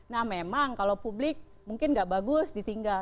nah memang kalau publik mungkin nggak bagus ditinggal